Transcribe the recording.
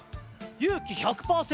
「勇気１００％」。